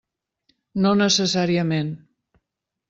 No necessàriament.